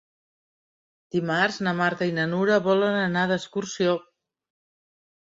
Dimarts na Marta i na Nura volen anar d'excursió.